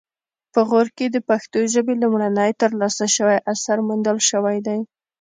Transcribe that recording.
په غور کې د پښتو ژبې لومړنی ترلاسه شوی اثر موندل شوی دی